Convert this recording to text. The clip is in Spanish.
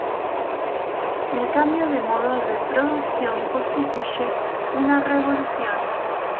El cambio de modo de producción constituye una revolución.